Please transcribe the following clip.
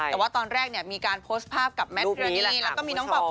แต่ว่าตอนแรกมีการโพสต์ภาพกับแมทเพื่อนมีแล้วก็มีหนองเป่าด้วย